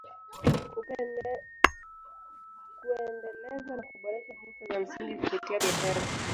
Kuendeleza na kuboresha hisa za msingi kupitia biashara